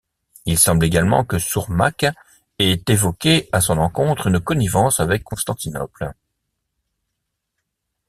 Il semble également que Sourmak ait évoqué à son encontre une connivence avec Constantinople.